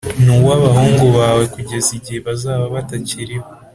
n uw abahungu bawe kugeza igihe bazaba batacyiriho